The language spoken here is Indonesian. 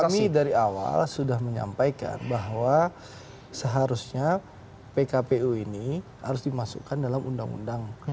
kami dari awal sudah menyampaikan bahwa seharusnya pkpu ini harus dimasukkan dalam undang undang